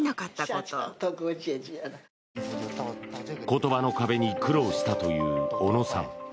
言葉の壁に苦労したという小野さん。